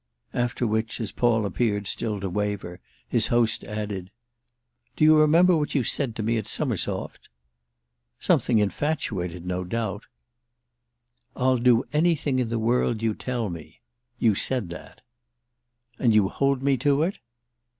After which, as Paul appeared still to waver, his host added: "Do you remember what you said to me at Summersoft?" "Something infatuated, no doubt!" "'I'll do anything in the world you tell me.' You said that." "And you hold me to it?"